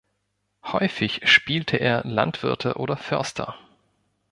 Häufig spielte er Landwirte oder Förster.